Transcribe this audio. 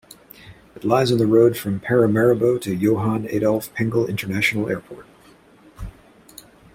It lies on the road from Paramaribo to Johan Adolf Pengel International Airport.